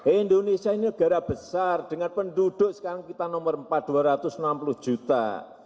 indonesia ini negara besar dengan penduduk sekarang kita nomor empat dua ratus enam puluh juta